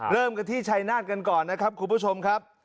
เริ่มกันที่ชัยนาธกันก่อนนะครับคุณผู้ชมครับ